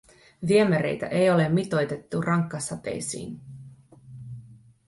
Viemäreitä ei ole mitoitettu rankkasateisiin.